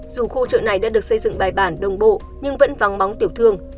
dù khu chợ này đã được xây dựng bài bản đồng bộ nhưng vẫn vắng bóng tiểu thương